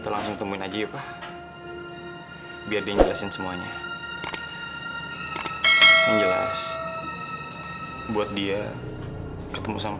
di depan aku bener bener ada ayahku